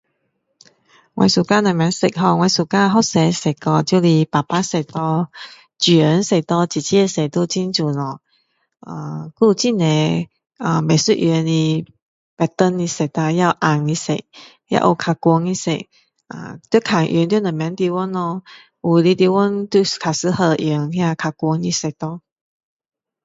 我喜欢什么色 ho 我喜欢很多色哦就是白白色咯水红色紫色都是很美哦呃还有很多呃不一样 pattern 的色啦也有啊也有较亮的色要看用在什么地方咯有的地方就较适合用较亮的色咯